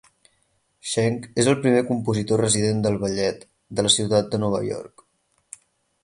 Sheng és el primer compositor resident del Ballet de la ciutat de Nova York.